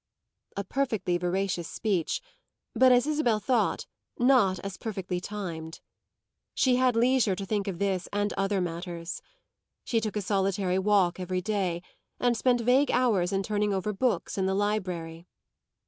A perfectly veracious speech; but, as Isabel thought, not as perfectly timed. She had leisure to think of this and other matters. She took a solitary walk every day and spent vague hours in turning over books in the library.